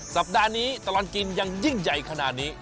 สัปดาห์นี้ตลอดกินยังยิ่งใหญ่ขนาดนี้